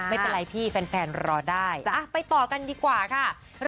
ไม่เป็นไรพี่แฟนรอได้ไปต่อกันดีกว่าค่ะ